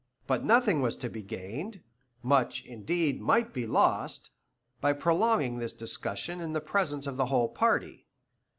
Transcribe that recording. But nothing was to be gained much, indeed, might be lost by prolonging this discussion in the presence of the whole party.